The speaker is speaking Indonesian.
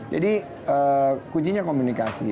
jadi kuncinya komunikasi